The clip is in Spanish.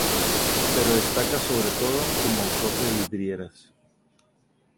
Pero destaca sobre todo como autor de vidrieras.